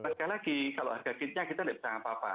sekali lagi kalau harga kitnya kita tidak bisa apa apa